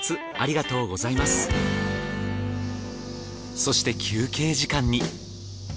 そして休憩時間に。